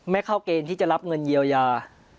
ไม่เข้าเกณฑ์ที่จะรับเงินเยียวยา